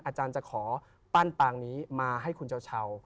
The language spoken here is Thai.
อาจารย์จะขอปั้นปางนี้มาให้คุณเช้า